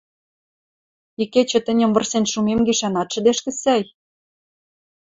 Икечӹ тӹньӹм вырсен шумем гишӓн ат шӹдешкӹ сӓй?..